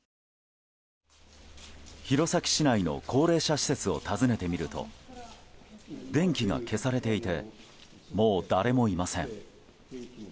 弘前市内の高齢者施設を訪ねてみると電気が消されていてもう誰もいません。